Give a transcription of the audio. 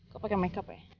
kok pakai makeup ya